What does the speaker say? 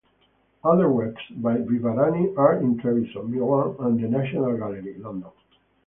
Other works by Vivarini are in Treviso, Milan and the National Gallery, London.